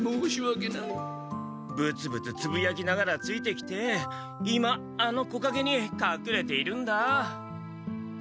ぶつぶつつぶやきながらついてきて今あの木かげにかくれているんだ。